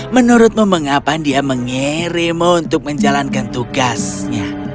menurutmu mengapa dia mengirimmu untuk menjalankan tugasnya